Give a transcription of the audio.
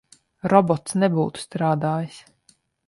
Robots nebūtu strādājis.